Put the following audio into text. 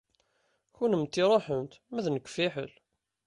Kennemti ṛuḥemt ma d nekk fiḥel.